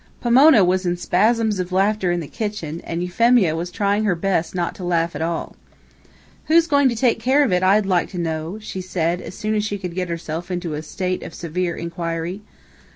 Pomona was in spasms of laughter in the kitchen, and Euphemia was trying her best not to laugh at all. "Who's going to take care of it, I'd like to know?" she said, as soon as she could get herself into a state of severe inquiry.